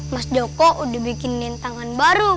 mas joko udah bikinin tangan baru